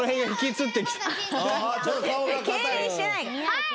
はい！